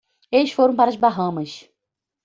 Eles foram para as Bahamas.